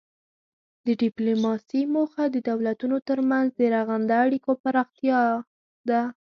د ډیپلوماسي موخه د دولتونو ترمنځ د رغنده اړیکو پراختیا ده